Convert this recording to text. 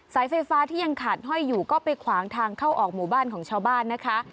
ไฟฟ้าที่ยังขาดห้อยอยู่ก็ไปขวางทางเข้าออกหมู่บ้านของชาวบ้านนะคะ